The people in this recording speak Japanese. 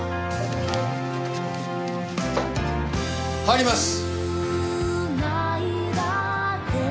入ります！